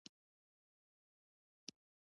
افغانستان د وادي په برخه کې نړیوال شهرت لري.